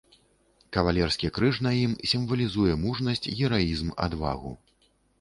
Кавалерскі крыж на ім сімвалізуе мужнасць, гераізм, адвагу.